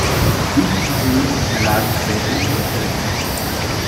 Sieben Personen erlagen später ihren Verletzungen.